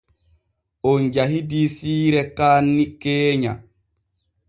On jahidii siire kaanni keenya.